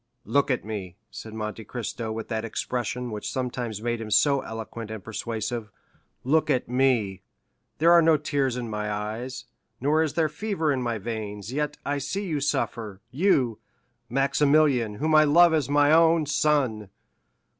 "Look at me," said Monte Cristo, with that expression which sometimes made him so eloquent and persuasive—"look at me. There are no tears in my eyes, nor is there fever in my veins, yet I see you suffer—you, Maximilian, whom I love as my own son.